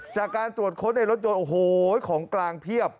จากการตรวจค้นในรถยนต์โอ้โหของกลางเพียบ